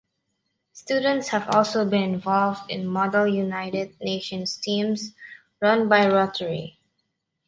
Students have also been involved in Model United Nations Teams run by Rotary.